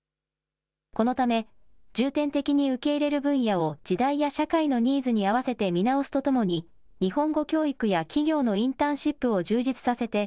このため、重点的に受け入れる分野を時代や社会のニーズに合わせて見直すとともに、日本語教育や企業のインターンシップを充実させて、